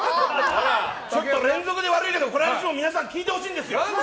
ちょっと連続で悪いけどこれは皆さん聞いてほしいんです。